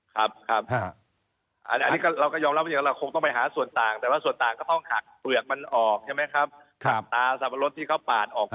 ครับครับ